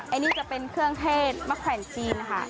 อันนี้จะเป็นเครื่องเทศมะแขวนจีนค่ะ